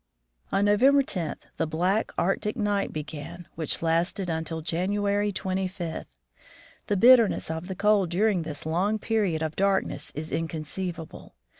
On November 10 the black Arctic night began, which lasted until January 25. The bitterness of the cold dur ing this long period of darkness is inconceivable.